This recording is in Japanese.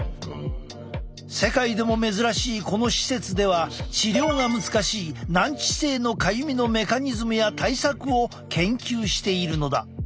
世界でも珍しいこの施設では治療が難しい難治性のかゆみのメカニズムや対策を研究しているのだ。